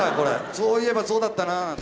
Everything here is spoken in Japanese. そういえばそうだったなぁ。